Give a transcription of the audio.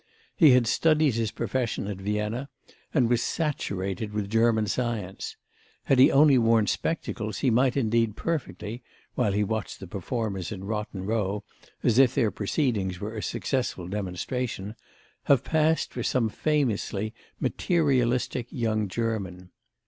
He had studied his profession at Vienna and was saturated with German science; had he only worn spectacles he might indeed perfectly, while he watched the performers in Rotten Row as if their proceedings were a successful demonstration, have passed for some famously "materialistic" young German.